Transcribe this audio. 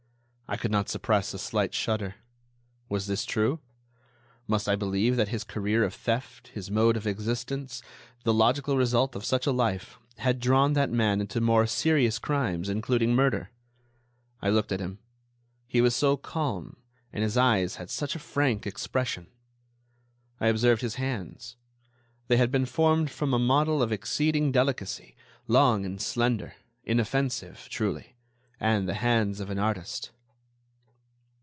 I could not suppress a slight shudder. Was this true? Must I believe that his career of theft, his mode of existence, the logical result of such a life, had drawn that man into more serious crimes, including murder? I looked at him. He was so calm, and his eyes had such a frank expression! I observed his hands: they had been formed from a model of exceeding delicacy, long and slender; inoffensive, truly; and the hands of an artist....